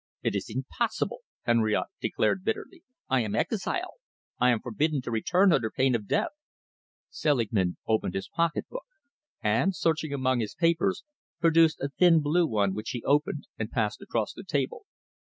"It is impossible!" Henriote declared bitterly, "I am exile. I am forbidden to return under pain of death." Selingman opened his pocket book, and, searching among his papers, produced a thin blue one which he opened and passed across the table.